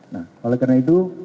nah oleh karena itu